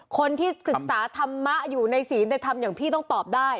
คนที่ศึกษาธรรมะอยู่ในศีลจะทำอย่างพี่ต้องตอบได้